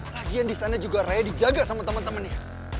lagian di sana juga raya dijaga sama temen temennya